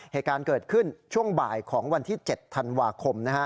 เหตุการณ์เกิดขึ้นช่วงบ่ายของวันที่๗ธันวาคม